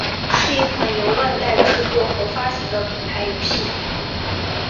是一款由万代制作和发行的平台游戏。